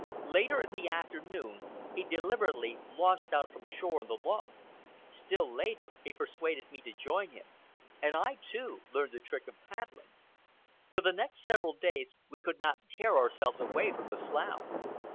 Later in the afternoon, he deliberately launched out from shore on the log. Still later he persuaded me to join him, and I, too, learned the trick of paddling. For the next several days we could not tear ourselves away from the slough.